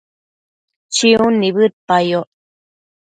chiun nibëdpayoc